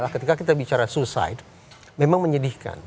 ketika kita bicara suicide memang menyedihkan